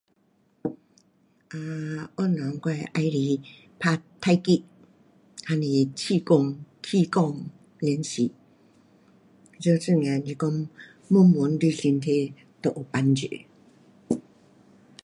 um 运动我会喜欢打太极。还是气功，气功练气。各种的，是讲缓缓，最身体都有帮助。